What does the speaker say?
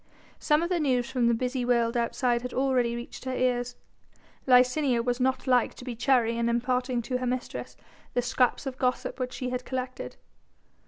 Some of the news from the busy world outside had already reached her ears. Licinia was not like to be chary in imparting to her mistress the scraps of gossip which she had collected.